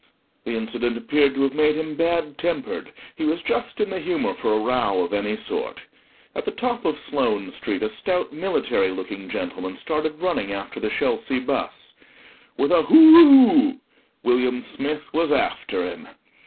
The incident appeared to have made him bad tempered; he was just in the humour for a row of any sort. At the top of Sloane Street a stout military looking gentleman started running after the Chelsea bus. With a "Hooroo" William Smith was after him.